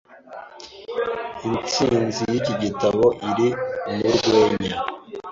Intsinzi yiki gitabo iri mu rwenya.